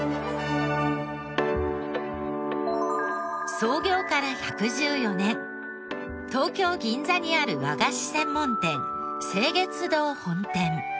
創業から１１４年東京銀座にある和菓子専門店清月堂本店。